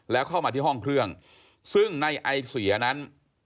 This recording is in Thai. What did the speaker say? แล้วเข้ามาที่ห้องเครื่องซึ่งในไอเสียนั้น